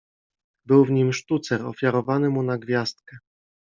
Był w nim sztucer ofiarowany mu na gwiazdkę.